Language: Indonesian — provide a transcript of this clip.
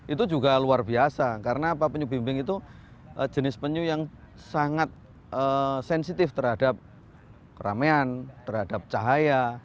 itu juga luar biasa karena penyu bimbing itu jenis penyu yang sangat sensitif terhadap keramaian terhadap cahaya